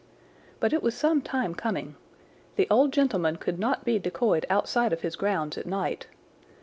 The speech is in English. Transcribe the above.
"But it was some time coming. The old gentleman could not be decoyed outside of his grounds at night.